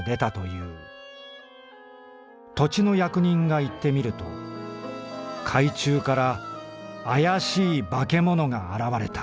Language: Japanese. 土地の役人が行ってみると海中から怪しい化け物が現れた。